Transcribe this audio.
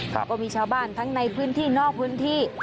ก็มีชาวบ้านทั้งในพื้นที่นอกพื้นที่